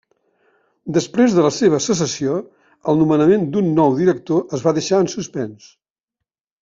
Després de la seua cessació, el nomenament d’un nou director es va deixar en suspens.